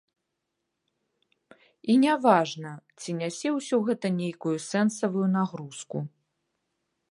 І не важна, ці нясе ўсё гэта нейкую сэнсавую нагрузку.